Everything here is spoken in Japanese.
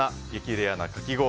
レアなかき氷